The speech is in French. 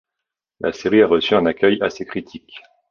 La série a reçu un accueil assez critique.